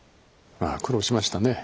まあ苦労しましたね。